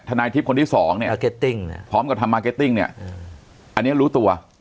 ธนายทริปคนที่๒เนี่ยพร้อมกับทำมาร์เก็ตติ้งเนี่ยอันนี้รู้ตัว